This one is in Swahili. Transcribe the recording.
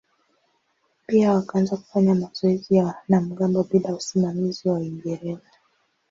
Pia wakaanza kufanya mazoezi ya wanamgambo bila usimamizi wa Waingereza.